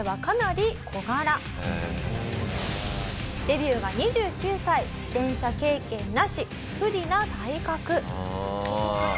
デビューが２９歳自転車経験なし不利な体格。